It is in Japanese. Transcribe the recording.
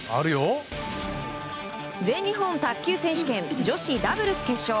全日本卓球選手権女子ダブルス決勝。